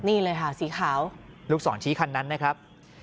นี่เลยค่ะสีขาวลูกศรชี้คันนั้นนะครับ